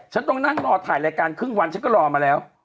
ฉันต้องนั่งรอถ่ายรายการครึ่งวันฉันก็รอมาแล้ว